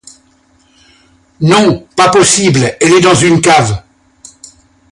Non, pas possible elle est dans une cave.